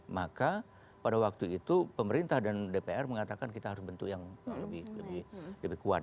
maka pada waktu itu pemerintah dan dpr mengatakan kita harus bentuk yang lebih kuat